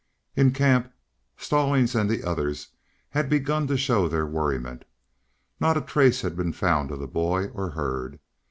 In the camp, Stallings and the others had begun to show their worriment. Not a trace had been found of boy or herd.